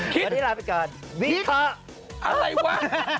ครับผมพอทีลาไปก่อนวิเคราะห์อะไรวะ